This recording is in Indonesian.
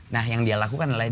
nah yang dia lakukan adalah